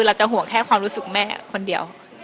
เราจะห่วงแค่ความรู้สึกแม่คนเดียว